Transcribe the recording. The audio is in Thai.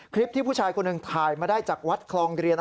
คลิปที่ผู้ชายคนหนึ่งถ่ายมาได้จากวัดคลองเรียน